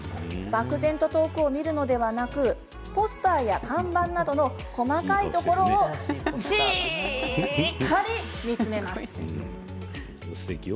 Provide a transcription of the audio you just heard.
漠然と遠くを見るのではなくポスターや看板などの細かいところをしっかり見つめます。